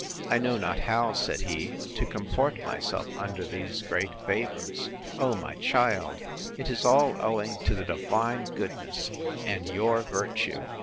I know not how, said he, to comport myself under these great favours. O my child, it is all owing to the divine goodness, and your virtue.